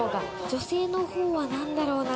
女性の方は何だろうな？